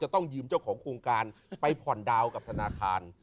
ต้องยืมเจ้าของโครงการไปผ่อนดาวน์กับธนาคาร